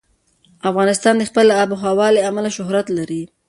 افغانستان د خپلې آب وهوا له امله شهرت لري.